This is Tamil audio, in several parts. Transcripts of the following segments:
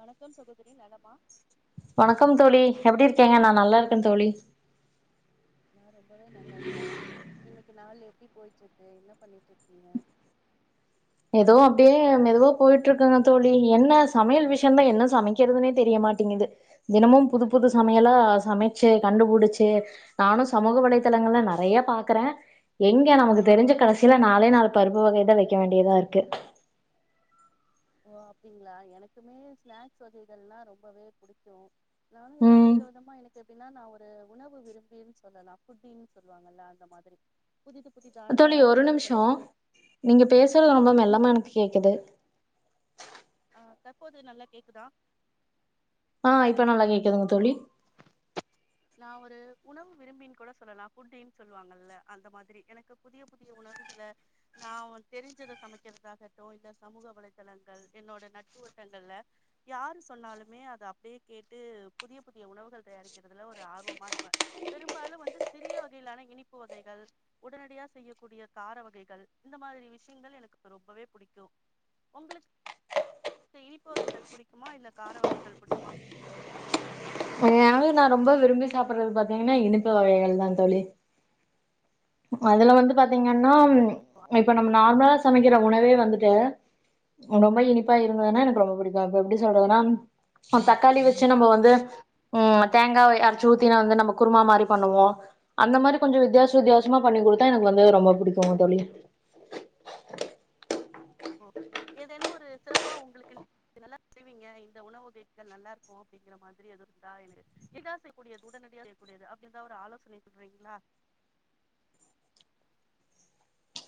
வணக்கம் சகோதரி நலமா வணக்கம் தோழி எப்படி இருக்கீங்க ந நல்லா இருக்கேன் தோழி நா ரொம்பவே நல்லா இருக்கேன் இன்னைக்கு நாள் எப்படி போயிட்டு இருக்கு என்ன பண்ணிட்டு இருக்கீங்க ஏதோ அப்டியே மெதுவா போயிட்டு இருக்குங்க தோழி என்ன சமையல் விஷயம் தான் என்ன சமைக்கிறதுனே தெரியமாட்டேங்குது தினமும் புது புது சமையலா சமைச்சு கண்டுபிடிச்சு நானும் சமூக வலைதளங்கள்ல நிறைய பாக்குறேன் எங்க நமக்கு தெரிஞ்ச கடைசியில நாலே நாலு பருப்பு வகைதான் வைக்க வேண்ட தா இருக்கு ஓ அப்டிங்களா எனக்குமே ஸ்நாக்ஸ் வகைகளெல்லாம் ரொம்பவே புடிக்கும் நானும் ஏதாவது ம் வித விதமா எனக்கு நான் ஒரு உணவு விரும்பி சொல்லலாம் ஃபுட்டினு சொல்லுவாங்கல்ல அந்த மாதிரி புதி தோழி ஒரு நிமிஷம் நீங்க ஆ பேசுறது ரொம்ப சொல்லுங்க தோழி மெல்லமா எனக்கு கேக்குது ஆ தற்போது நல்லா கேக்குதா ஆஹ் இப்ப நல்லா கேக்குதுங்க தோழி நான் ஒரு உணவு விரும்பினு கூட சொல்லலாம் ஃபுட்டினு சொல்லுவாங்கல்ல அந்த மாதிரி எனக்கு புதிய புதிய உணவுகளை நான் தெரிஞ்சதை சமைக்கிறதாகட்டும் இல்ல சமூக வலைதளங்கள் என்னோட நட்புவட்டங்கள்ல யாரு சொன்னாலுமே அதை அப்படியே கேட்டு புதிய புதிய உணவுகள் தயாரிக்கிறதுல த்த ஆர்வமா இருப்ப பெரும்பாலு வந்து சிறிய வகையிலான இனிப்பு வகைகள் உடனடியா செய்யக்கூடிய கார வகைகள் இந்த மாதிரி விஷயங்கள் எனக்கு ரொம்பவே பிடிக்கும் உங்களுக்கு இனிப்பு வகைகள் பிடிக்குமா இல்ல கார வகைகள் பிடிக்குமா அதும் நா ரொம்ப விரும்பி சாப்டுறது பாத்தீங்கன்னா இனிப்பு வகைகள் தா தோழி அதுல வந்து பாத்தீங்கன்னா இப்ப அப்டிங் நம்ம நார்மலா சமைக்கிற உணவே வந்து வந்துட்ட ரொம்ப இனிப்பா இருந்ததுனா எனக்கு ரொம்ப பிடிக்கும் அது எப்டி சொல்றதுன்னா ஆ தக்காளி வச்சி நம்ம வந்து ம் தேங்காவய அரச்சி ஊத்தினா வந்து நம்ம குருமா மாரி பண்ணுவோம் அந்த மாரி கொஞ்சம் வித்தியாச வித்தியாசமா பண்ணி் கொடுத்தா எனக்கு வந்து ரொம்ப பிடிக்கும் தோழி ஓ ஏதேனும் ஒரு சிறப்பா [unintelligible] இந்த உணவு வகைகள் நல்லா இருக்கூ அப்டிங்கிற மாதிரி எதுவும் [unintelligible] உடனடியா செய்யக்கூடியது அப்டி இருந்தா ஒரு ஆலோசனை சொல்றீங்களா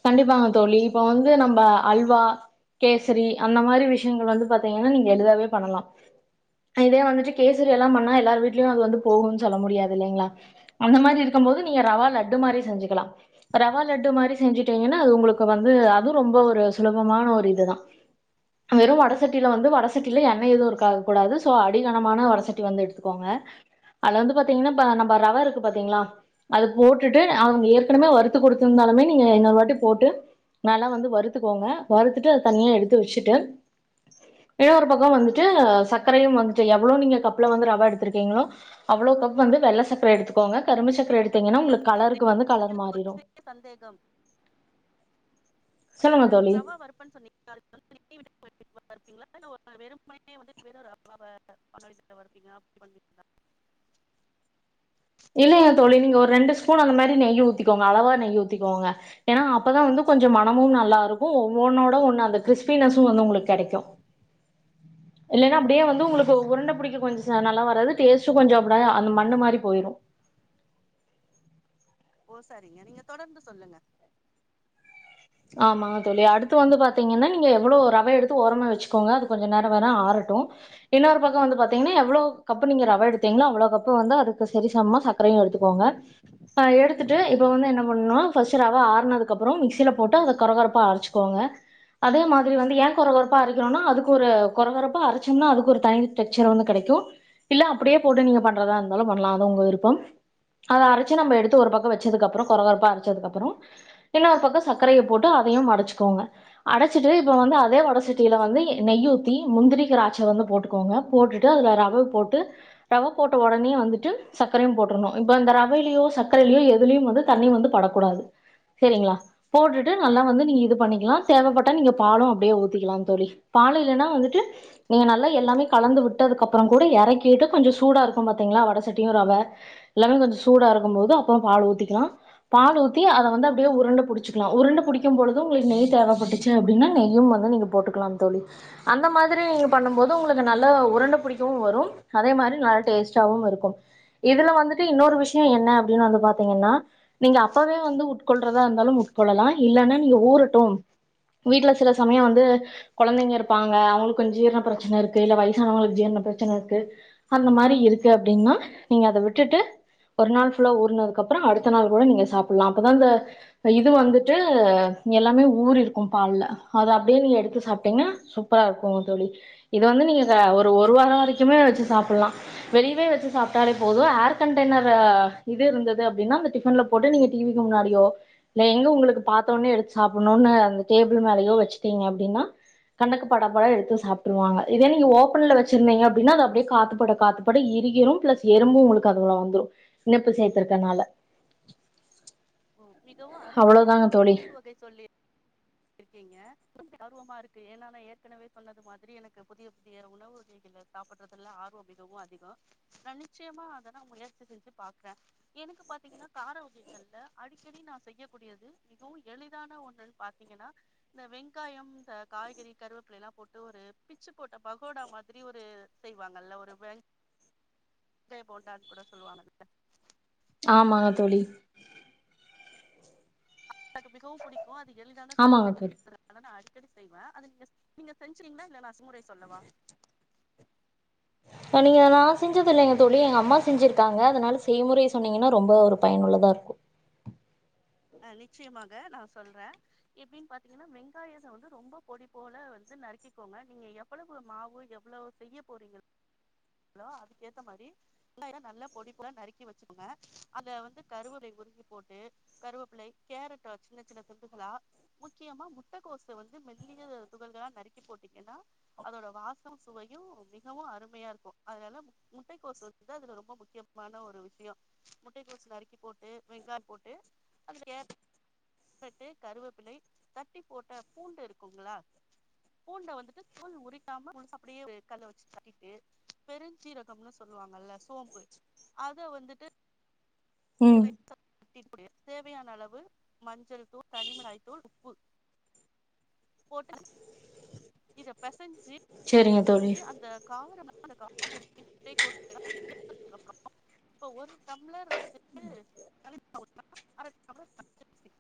கண்டிப்பாங்க தோழி இப்ப வந்து நம்ப அல்வா கேசரி அந்த மாரி விஷயங்கள் வந்து பாத்தீங்கன்னா நீங்க எளிதாவே பண்ணலா இதே வந்துட்டு கேசரி எல்லா பண்ணா எல்லாரு வீட்லயு அது வந்து போகுன் சொல்ல முடியாது இல்லைங்களா அந்த மாரி இருக்கும்போது நீங்க ரவா லட்டு மாரி செஞ்சுக்குலா அ ரவா லட்டு மாரி செஞ்சிட்டேகன்னா அது உங்குளுக்கு வந்து அதூ ரொம்ப ஒரு சுலபமான ஒரு இதுதா வெறு வடசட்டில வந்து வடசட்டில எண்ணெ எதுவு இருக்காக்கூடாது சோ அடிகனமான வடசட்டி வந்து எடுத்துகோங்க அதுல வந்து பாத்தீங்கன்னா பா நம்ப ரவ இருக்கு பாத்தீங்ளா அது போட்டுட்டு அவங்க ஏற்கனமே ஆமா வறுத்து குடுத்துருந்தாலுமே அ இன்னொருவாட்டி போட்டு நல்லா வந்து வருத்துக்கோங்க வருத்துட்டு அது தனியா எடுத்து வெச்சிட்டு இன்னொரு பக்கோ வந்துட்டு சக்கரையும் வந்துட்டு எவ்வளோ நீங்க கப்புல வந்து ரவ எடுத்துருக்கீங்களோ அவ்ளோ கப் வந்து வெள்ள சக்கர எடுத்துக் கோங்க கரும்பு அப்புறம் சக்கர எனக்கு ஒரு எடுத்தீங்கன்னா சிறிய உங்குளுக் கலருக்கு வந்து சந்தேகம் கலர் எனக்கு ஒரு மாறிரூ சிறிய ப்ப நீங்க சொல்லுங்க தோழி ரவா வறுப்பன் [unintelligible] வருப்பீங்களா [unintelligible] இல்லைங்க தோழி நீங்க ஒரு ரெண்டு ஸ்பூன் அந்த மாரி நெய் ஊத்திக்கோங்க அளவா நெய் ஊத்திக்கோங்க ஏன்னா அப்பதா வந்து கொஞ்சோ மனமும் நல்லா இருக்கூ ஒவ்வொன்னோட ஒண்ணு அந்த கிஸ்பினஸ்சு வந்து உங்குளு கெடைக்கூ இல்லன்னா ப்டியே வந்து ஓ உங்குளுக்கு சரி உருண்ட புடிக்க கொஞ் ச நல்லா வராது பேசு கொஞ்சோ அப்டா அந்த மண்ணு மாரி போயிரு ஓ சரிங்க நீங்க தொடர்ந்து சொல்லுங்க ஆமாங்க தோழி அடுத்து வந்து பாத்தீங்கன்னா நீங்க எவ்வளோ ரவ எடுத்து ஓரமா வெச்சுக்கோங்க அது கொஞ்ச நேரோ வர ஆறட்டூ இன்னொரு பக்கோ வந்து பாத்தீங்கன்னா எவ்வளோ கப்பு நீங்க ரவ எடுத்தீங்ளோ அவ்வளோ கப்பு வந்து அதுக்கு சரி சமமா சக்கரையு எடுத்துக்கோங்க அ எடுத்துட்டு இப்ப வந்து என்ன பண்ணுணோ ஃபர்ஸ்ட்டு ரவ ஆற்னதுக்கப்புறோ மிக்சிலப் போட்டு அத கொரகொரப்பா அரைச்சிக்கோங்க அதே மாதிரி எ கொரகொரப்பா அரைக்கிறோன்னா அதுக்கு ஒரு கொரகொரப்பா அரச்சோம்னா அதுக்கு ஒரு தயின் டெக்சர் ஒன்னு கடைக்கூ இல்ல அப்புடே போட்டு நீங்க பண்றதா இருந்தாலு பண்லா அது உங்க விருப்பம் அத அரைச்சி நம்ப எடுத்து ஒரு பக்கோ வெச்சதுக்கப்புறோ கொரகொரப்பா அரைச்சதுக்கப்புறோ எண்ணெ ஒரு பக்கோ சக்கரைய போட்டு அதையும் மடச்சுக்கோங்க வட சட்டில இப்ப வந்து அதே வட சட்டில வந்து எ நெய் ஊத்தி முந்திரி தராட்ச வந்து போட்டுக்கோங்க போட்டுட்டு அதுல ரவ போட்டு ரவ போட்ட ஒடனே வந்துட்டு சக்கரையு போட்ருன்னு இப்ப இந்த ரவையிலயோ சக்கரையிலயோ எதுலியும் வந்து தண்ணி வந்து படக்கூடாது சேரிங்ளா போட்டுட்டு நல்லா வந்து நீங்க இது பண்ணிக்கலா தேவப்பட்டா நீங்க பாலு அப்படியே ஊத்திக்கிலா தோழி பால் இல்லனா வந்துட்டு நீங்க நல்லா எல்லாமே கலந்து விட்டது கப்போற கூட எறக்கிட்டு கொஞ்சு சூடா இருக்கு பாத்தீங்களா வட சட்டியு ரவ எல்லாமே கொஞ்சு சூடா இருக்கும் போது அப்போ பால் ஊத்திக்கிலா பால் ஊத்தி அத வந்து அப்டியே உருண்ட புடுச் வச்சிக்கலா உருண்ட பிடிக்கு பொழுது உங்களுக்கு நெய் தேவப்பட்டுச்சு அப்டின்னா நெய்யும் வந்து நீங்க போட்டுக்கலாம் தோழி அந்த மாதிரி நீங் பண்ணும் போது உங்களுக்கு நல்ல உருண்ட பிடிக்கவு வரும் அதே மாறி நல்ல டேஸ்டாவு இருக்கும் இதுல வந்துட்டு இன்னொரு விஷியோ என்ன அப்டின்னு வந்து பாத்தீங்கன்னா நீங்க அப்பவே வந்து உட்கொள்றதா இருந்தாலும் உட் தோள்ளலா இல்லன்னா நீங்க ஊறட்டும் வீட்டுல சில சமய வந்து கொழந்தங்க இருப்பாங்க அவங்களுக்கு கொஞ் ஜீரண பிரச்சன இருக்கு இல்ல வயசானவங்களுக்கு ஜீரண பிரச்சன இருக்கு அந்த மாறி இருக்கு அப்டின்னா நீங்க அத விட்டுட்டு ஒரு நாள் ஃபுல்லா ஊறுனதுக்கு அப்ரோ அடுத்த நாள் கூட நீங்க சாப்லா அப்பதா இந்த ஐயுக் இது வந்துட்டு எல்லாமே ஊரி இருக்கு பால்ல அது அப்டியே நீ எடுத்து சாப்டிங்னா சூப்பரா இருக்கு தோழி இது வந்து நீங்க த ஒரு ஒரு வாரோ வரைக்குமே வச்சு சாப்பிட்லா வெளியவே வச்சு சாப்பிட்டாலே போது ஏர் கண்டெய்னரா இது இருந்தது அப்டின்னா அந்த டிபன்ல போட்டு நீங்க டிவிக்கு முன்னாடியோ இல்ல எங்க உங்களுக்கு பாத்த ஒன்னே எடுத்து சாப்பட்னூணு அந்த டேபிள் மேலயோ வச்சிடேங் அப்டின்னா கண்ணுக்கு படப்பட எடுத்து சாப்டுருவாங்க இதே நீங்க ஓபன்ல வச்சிருந்தீங்க அப்டின்னா அது அப்டியே காத்துப்பட காத்துப்பட இருகிரும் பிளஸ் எறும்பு உங்களுக்கு அதுல வந்துரு இனிப்பு சேர்த்திருக்கனால மிகவு அருமையான ஒரு இனிப்பு வகை சொல்லி இருக் ஏங்க [unintelligible] ஆர்வமா இருக்கு ஏன்னால ஏற்கனவே சொன்னது மாதிரி எனக்கு புதிய புதிய உணவு வகைகளை சாப்பிடுறதுல ஆர்வம் மிகவு அதிகோ நா நிச்சயமா அத ந முயற்சி செஞ்சு பாக்ற எனக்கு பாத்தீங்கன்னா கார வகைகள்ல அடிக்கடி நா செய்யக்கூடியது மிகவு எளிதான ஒன்னுன்னு பாத்தீங்கன்னா இந்த வெங்காயம் இந்த காய்கறி கருவேப்பிலேலா போட்டு ஒரு பிச்சு போட்ட பகோடா மாதிரி ஒரு செய்வாங்கல்ல ஒரு வெங் வெங்காய போண்டான்னு கூட சொல்லுவாங்க இல்ல ஆமாங்க தோழி ஆ [unintelligible] மிகவும் புடிக் கோ அது எளிதான செய்முறை ஆமாங்க தோழி [unintelligible] அதன அடி அடிக்கடி செய்வ அது நீங்க நீங்க செஞ்சுறிக்கிங்ளா இல்ல நா செம்முறை சொல்லவா நீங்க நா செஞ்சது இல்லங்க தோழி எங்க அம்மா செஞ்சிருக்காங்க அதனால செய்முறை சொன்னீங்கன்னா ரொம்ப ஒரு பயனுள்ளதா இருக்கு அ நிச்சயமாக நா சொல்ற எப்டின் பாத்தீங்கன்னா வெங்காயத்த வந்து ரொம்ப பொடி போல வந்து நறுக்கிக்கோங்க நீங்க எவ்வளவு மாவு எவ்வளவு செய்ய போறீங்களோ அதுக்கு ஏத்த மாறி வெங்கா [unintelligible] நல்ல பொடிப்புல நறுக்கி வச்சுக்கோங்க அத வந்து கருவப்லை உருவி போட்டு கருவேப்பில்லை கேரட்ட சின்ன சின்ன துண்டுகளா முக்கியமா முட்டகோசு வந்து மெல்லிய துகள்களா நறுக்கி போட்டிங்கேன்னா அதோட வாசோ சுவையு மிகவு அருமையாக இருக்கு அதனால முட்டைக்கோசு வந்ததுல ரொம்போ முக்கியமான ஒரு விஷியோ முட்டைக்கோசு நறுக்கி போட்டு வெங்காய போட்டு அது எர் தட்டு கருவேப்பிலை தட்டி போட்ட பூண்டு இருக்குங்களா பூண்ட வந்துட்டு தோல் உரிக்காம முழுசா அப்டியே ஒரு கல்ல வச்சி தட்டிட்டு பெருஞ்சீரகம்னு சொல்லுவாங்கல்ல சோம்பு அத வந்துட்டு உம் விட்டி புடே தேவையான அளவு மஞ்சள் தூள் தனிமிளகாய் தூள் உப்பு போட்டு நல்ல அல்ல இத பேசஞ்சி சேரிங்க தோழி அந்த காய்கறி முட்டைகோஸ் எல்லா சேத்ததுக்கப்றோ இப்போ ஒரு டம்ளர் வந்துட்டு [unintelligible] அரை டம்ளர் பச்சரிசி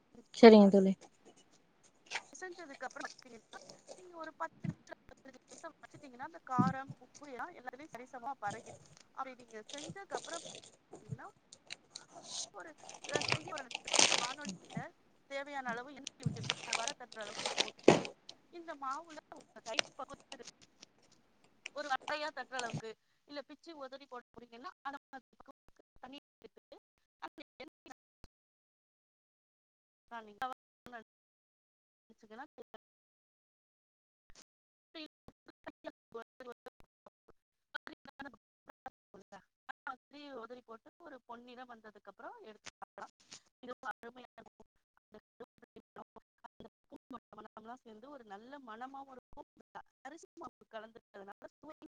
[unintelligible] சரிங்க தோலி பிசஞ்சதுக்கு அப்புறம் நீங்க ஒரு பத்து நிமிஷம் பத்தினஜு நிமிஷம் வச்சீட்டீங்கன்னா அந்த காரம் உப்பு எல்லாம் எல்லாத்லையு சரிசமா பறகிடு அப்பிடி நீங்க செஞ்சக்க அப்றம் [unintelligible] ஒரு செய்ய வானொளியில்ல தேவையான அளவு [unintelligible] வடத்தட்டுற அளவுக்கு போ போட்டுட்டு இந்த மாவுல உங்க கை பகுத்வதுக்கு ஒரு வட்டையா தற்றற அளவுக்கு இல்ல பிச்சு ஒதறி போட போறிகன்னா அந்த மா [unintelligible] வச்சுக்கலாம் ரி உதறி போட்டு ஒரு பொன்னிறம் வந்ததுக்குப்புறோ எடுத்து சாப்லா ரொம்போ அருமையான [unintelligible] சேர்ந்து ஒரு நல்ல மனமாவுருக்கு ஒரு அரிசி மாவு கலந்துனால [unintelligible]